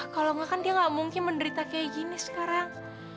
kalau enggak kan dia enggak mungkin menderita kayak gini sekarang